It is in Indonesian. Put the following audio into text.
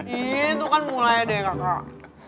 itu kan mulai deh kak